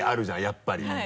やっぱり。